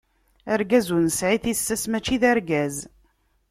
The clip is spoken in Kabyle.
Argaz ur nesɛi tissas, mačči d argaz.